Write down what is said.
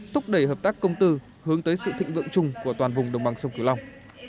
thúc đẩy hợp tác công tư hướng tới sự thịnh vượng chung của toàn vùng đồng bằng sông kiều long